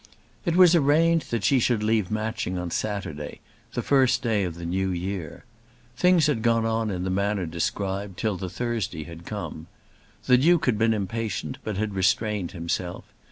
It was arranged that she should leave Matching on Saturday, the first day of the new year. Things had gone on in the manner described till the Thursday had come. The Duke had been impatient but had restrained himself.